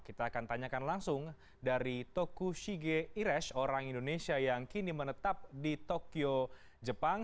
kita akan tanyakan langsung dari toku shige iresh orang indonesia yang kini menetap di tokyo jepang